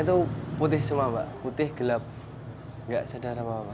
itu putih semua putih gelap gak sedar apa apa